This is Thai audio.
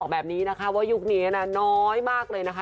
แบบนี้นะคะว่ายุคนี้นะน้อยมากเลยนะคะ